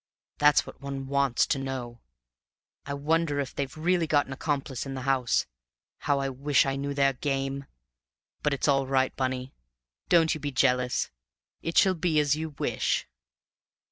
That's what one wants to know. I wonder if they've really got an accomplice in the house? How I wish I knew their game! But it's all right, Bunny; don't you be jealous; it shall be as you wish."